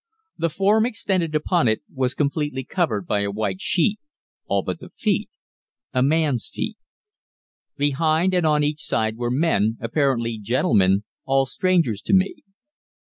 The form extended upon it was completely covered by a white sheet, all but the feet a man's feet. Behind and on each side were men, apparently gentlemen, all strangers to me.